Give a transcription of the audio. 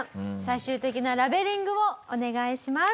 最終的なラベリングをお願いします。